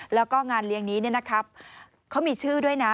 แล้วก็งานเลี้ยงนี้เขามีชื่อด้วยนะ